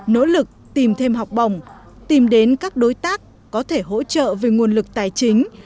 nỗ lực tìm thêm học bổng tìm đến các đối tác có thể hỗ trợ về nguồn lực tài chính